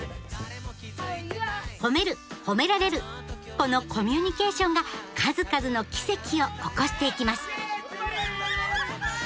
このコミュニケーションが数々の奇跡を起こしていきます！